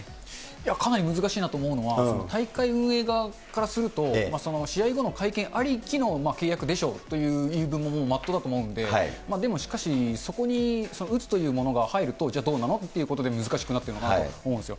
かなり難しいなと思うのは、大会運営側からすると、試合後の会見ありきの契約でしょうという言い分も真っ当だと思うんで、でもしかし、そこにうつというものが入るとじゃあどうなの？ってことで難しくなったのかと思うんですよ。